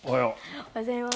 おはようございます。